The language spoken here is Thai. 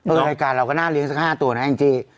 รายการเราก็น่าเลี้ยสัก๕ตัวนะแองจี้